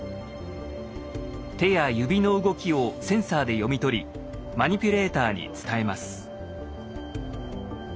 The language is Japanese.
手や指の動きをセンサーで読み取りマニピュレーターに伝えます。